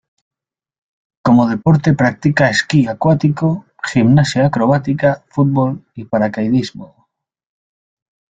Como deporte practica esquí acuático, gimnasia acrobática, fútbol y paracaidismo.